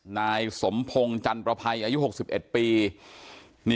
นายสมพงศ์จันตร์ประภัยอายุหกสิบเอ็ดปี